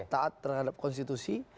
taat terhadap konstitusi